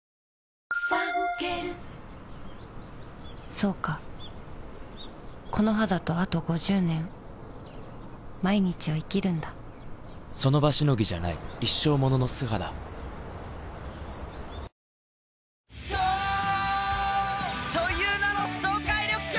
そうかこの肌とあと５０年その場しのぎじゃない一生ものの素肌颯という名の爽快緑茶！